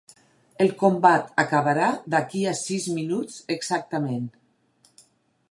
El combat acabarà d'aquí a sis minuts exactament.